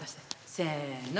せの。